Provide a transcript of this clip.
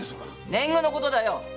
年貢のことだよ。